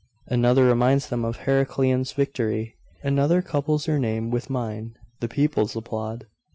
Another reminds them of Heraclian's victory another couples your name with mine.... the people applaud....